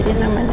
aku udah mandi